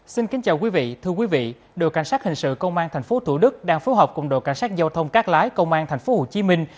xin kính chào quý vị thưa quý vị đội cảnh sát hình sự công an tp thủ đức đang phối hợp cùng đội cảnh sát giao thông các lái công an tp hồ chí minh